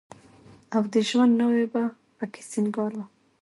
او د ژوند ناوې به په کې سينګار وه.